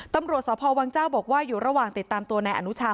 ตำรวจสพวังเจ้าบอกว่าอยู่ระหว่างติดตามตัวนายอนุชา